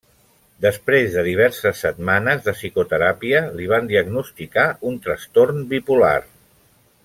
Després de diverses setmanes de psicoteràpia li van diagnosticar un trastorn bipolar.